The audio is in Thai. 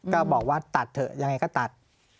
ก็บอกว่าตัดเถอะยังไงก็ตัด